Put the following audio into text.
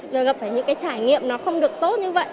và gặp phải những trải nghiệm không được tốt như vậy